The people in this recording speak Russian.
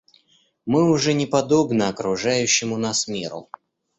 Мы уже не подобны окружающему нас миру.